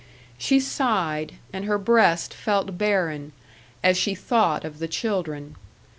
She sighed, and her breast felt barren, as she thought of the children.